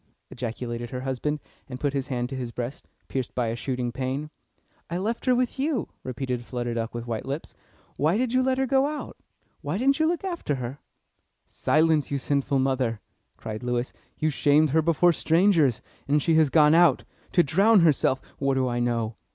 ejaculated her husband, and put his hand to his breast, pierced by a shooting pain. "I left her with you," repeated Flutter Duck with white lips. "Why did you let her go out? Why didn't you look after her?" "Silence, you sinful mother!" cried Lewis. "You shamed her before strangers, and she has gone out to drown herself what do I know?"